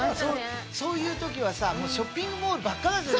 そういう時はさショッピングモールばっかだったじゃん